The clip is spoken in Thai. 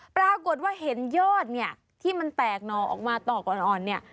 ปรากฏว่าเห็นยอดเนี่ยที่มันแตกหน่อออกมาต่ออ่อนเนี่ย